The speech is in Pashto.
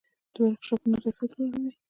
ورکشاپونه ظرفیت لوړوي